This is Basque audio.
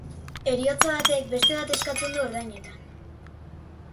Heriotza batek beste bat eskatzen du ordainetan.